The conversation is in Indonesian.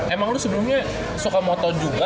emang lu sebelumnya suka motor juga